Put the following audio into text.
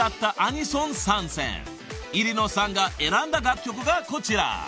［入野さんが選んだ楽曲がこちら］